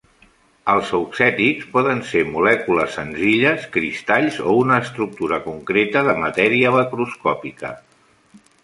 Els auxètics poden ser molècules senzilles, cristalls o una estructura concreta de matèria macroscòpica.